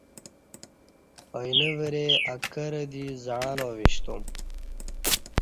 آیینہ ورے اکرہ دی زعݩلہ وشتو م